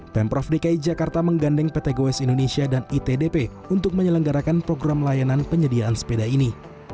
pemprov dki jakarta menggandeng pt goes indonesia dan itdp untuk menyelenggarakan program layanan penyediaan sepeda ini